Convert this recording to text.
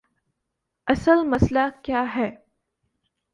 اصل مسئلہ کیا ہے؟